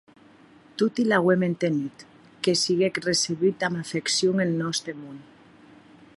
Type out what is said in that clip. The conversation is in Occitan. Toti l'auem entenut, que siguec recebut damb afeccion en nòste mon.